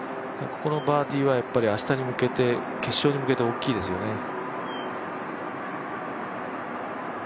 ここのバーディーはやっぱり明日に向けて、決勝に向けて大きいですよね。